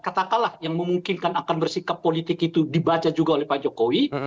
katakanlah yang memungkinkan akan bersikap politik itu dibaca juga oleh pak jokowi